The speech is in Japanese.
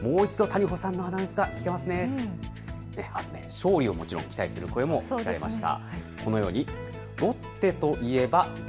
勝利をもちろん期待する声もありました。